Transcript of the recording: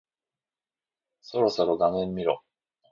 そろそろ画面見ろ。